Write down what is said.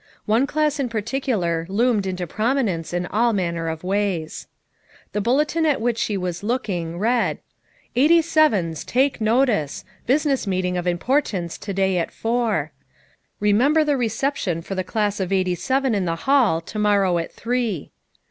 One class in particular loomed into prominence in all manner of ways. The bulletin at which she was looking read: " '87's take notice! Business meeting of im FOUR MOTHERS AT CHAUTAUQUA 141 portance to day at four." " Remember the Reception for the Class of '87 in the Hall, to morrow at three."